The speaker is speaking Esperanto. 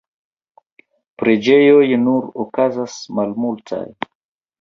Prelegoj nur okazas malmultaj.